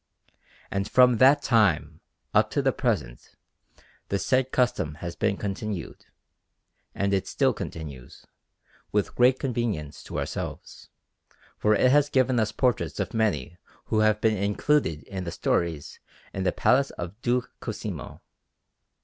And from that time up to the present the said custom has been continued, and it still continues, with great convenience to ourselves, for it has given us portraits of many who have been included in the stories in the Palace of Duke Cosimo.